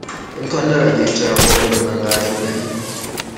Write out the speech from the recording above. امکان دارد یک چراغ قوه به من قرض بدهید؟